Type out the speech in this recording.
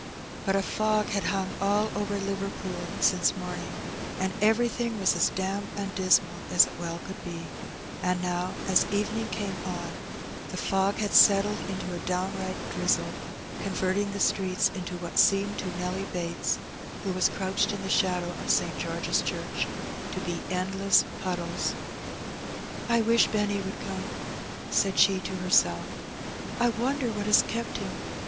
But a fog had hung all over Liverpool since morning, and every thing was as damp and dismal as it well could be; and now, aa evening came on, the fog had settled into a downright drizzle, con verting the streeta into what seemed to Nelly Bates (who was crouched in the shadow of St. George's Chnrch) to be endless puddles. Her Benny. '' I wish Benny would come/' said she to herself. *' I wonder what has kept him?